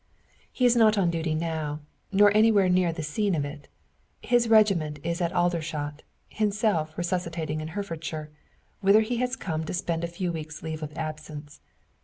He is not on duty now, nor anywhere near the scene of it. His regiment is at Aldershot, himself rusticating in Herefordshire whither he has come to spend a few weeks' leave of absence.